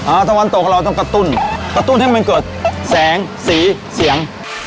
ตะวันตกเราต้องกระตุ้นกระตุ้นให้มันเกิดแสงสีเสียง